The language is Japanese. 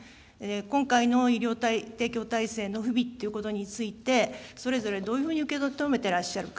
今回の医療提供体制の不備ということについて、それぞれどういうふうに受け止めていらっしゃるか。